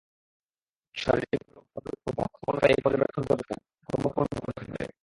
শরীরিক রোগ বা কোনরূপ ভাবপ্রবণতা এই পর্যবেক্ষণকে ভ্রমপূর্ণ করতে পারে।